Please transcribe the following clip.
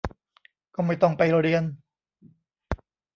ก็ไม่ต้องไปเรียน